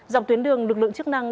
dọc tuyến đường lực lượng chức năng